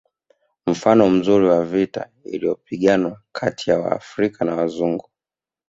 Mfano mzuri wa vita iliyopiganwa kati ya Waafrika na Wazungu